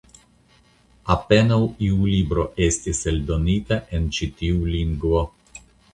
Apenaŭ iu libro estis eldonita en ĉi tiu lingvo.